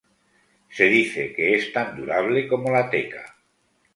Se dice que es tan durable como la teca.